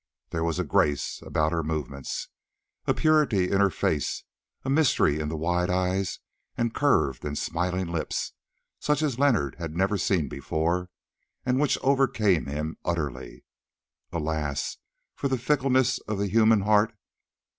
There was a grace about her movements, a purity in her face, a mystery in the wide eyes and curved and smiling lips, such as Leonard had never seen before, and which overcame him utterly. Alas for the fickleness of the human heart!